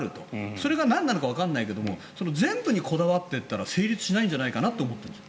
それがなんなのかわからないけど全部にこだわっていったら成立しないんじゃないかなと思ってるんです。